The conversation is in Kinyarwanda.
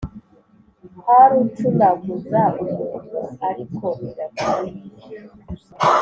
Hari ucunaguza umuntu ariko bidakwiye,